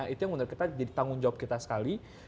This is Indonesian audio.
itu yang menurut kita jadi tanggung jawab kita sekali